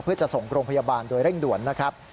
เพื่อจะส่งโรงพยาบาลโดยเร่งด่วนนะครับ